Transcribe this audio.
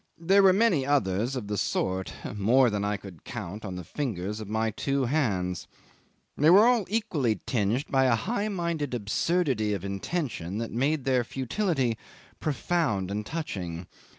There were many others of the sort, more than I could count on the fingers of my two hands. They were all equally tinged by a high minded absurdity of intention which made their futility profound and touching.